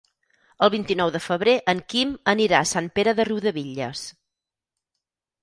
El vint-i-nou de febrer en Quim anirà a Sant Pere de Riudebitlles.